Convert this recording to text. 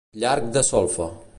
Llarg de solfa.